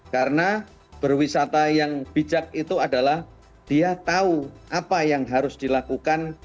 karena berwisata yang bijak itu adalah dia tahu apa yang harus dilakukan